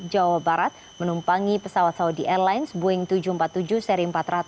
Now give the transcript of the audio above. jawa barat menumpangi pesawat saudi airlines boeing tujuh ratus empat puluh tujuh seri empat ratus